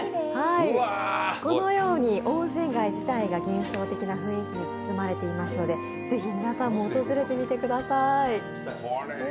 このように温泉街自体が幻想的な雰囲気に包まれていますのでぜひ皆さんも訪れてみてください。